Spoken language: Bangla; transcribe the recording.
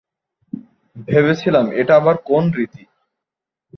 ভেবেছিলাম, এটা আবার কোন রীতি।